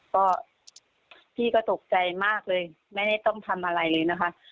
ก็พี่ก็ตกใจมากเลยไม่ได้ต้องทำอะไรเลยนะคะ